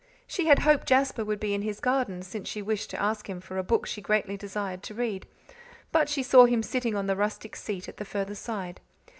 She had hoped Jasper would be in his garden, since she wished to ask him for a book she greatly desired to read. But she saw him sitting on the rustic seat at the further side.